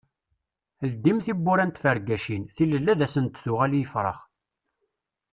Ldim tiwwura n tfergacin, tilelli ad asen-d-tuɣal i yifrax.